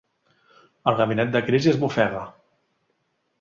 El gabinet de crisi esbufega.